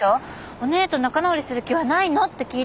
おねぇと仲直りする気はないのって聞いてるの。